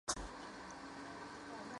同年升任兵部尚书。